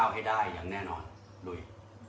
ให้ได้อย่างแน่นอนลุย